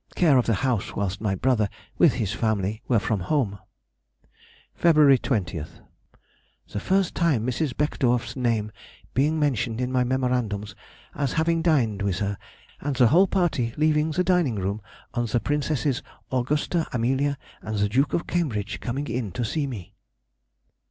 care of the house whilst my brother, with his family, were from home. February 20th.—The first time Mrs. Beckedorff's name being mentioned in my memorandums as having dined with her, and the whole party leaving the dining room on the Princesses Augusta, Amelia, and the Duke of Cambridge coming in to see me.